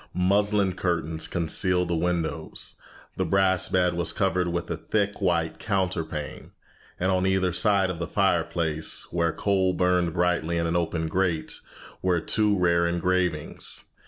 Muslin curtains concealed the windows, the brass bed was covered with a thick white counterpane, and on either side of the fireplace, where coal burned brightly in an open grate, were two rare engravings.